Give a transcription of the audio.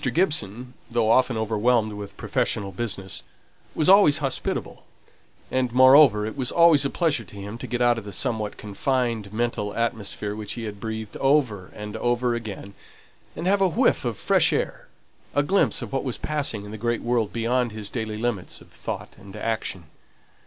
Gibson, though often overwhelmed with professional business, was always hospitable; and moreover, it was always a pleasure to him to get out of the somewhat confined mental atmosphere which he had breathed over and over again, and have a whiff of fresh air: a glimpse of what was passing in the great world beyond his daily limits of thought and action.